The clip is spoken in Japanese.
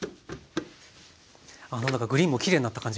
何だかグリーンもきれいになった感じがしますね。